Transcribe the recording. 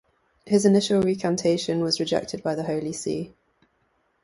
His initial recantation was rejected by the Holy See.